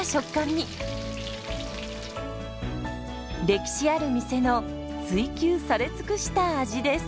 歴史ある店の追求され尽くした味です。